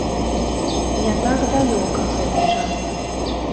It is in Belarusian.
Не так далёка гэты час.